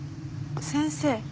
先生？